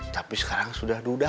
tapi sekarang sudah duda